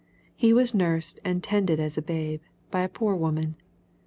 He was nursed and tended as a babe, by a poor woman.